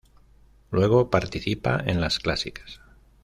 Luego participa en las clásicas.